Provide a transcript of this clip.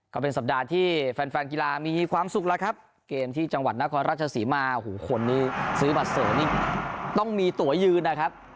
ก็เป็นสัปดาห์ที่แฟนแฟนกีฬามีความสุขแล้วครับเกมที่จังหวัดนครราชศรีมาหูคนนี้ซื้อบัตรเสริมนี่ต้องมีตัวยืนนะครับ